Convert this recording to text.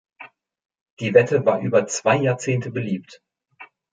Die Wette war über zwei Jahrzehnte beliebt.